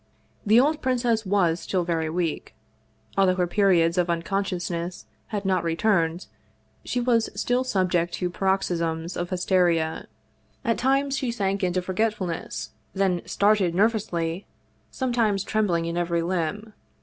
The old princess was still very weak. Although her periods of unconsciousness had not returned, she was still subject to paroxysms of hysteria. At times she sank into forgetfulness, then started nervously, sometimes trembling in every limb.